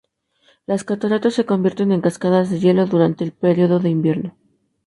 Las cataratas se convierten en cascadas de hielo durante el período de invierno.